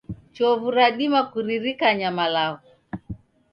Chovu radima kuririkanya malagho